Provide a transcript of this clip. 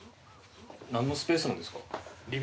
何のスペースなんですか？